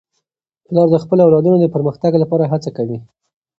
پلار د خپلو اولادونو د پرمختګ لپاره هڅه کوي.